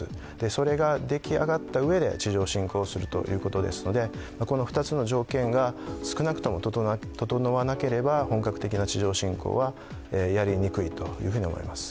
それができ上がったうえで、地上侵攻するということですので、この２つの条件が少なくとも整わなければ本格的な地上侵攻はやりにくいと思います。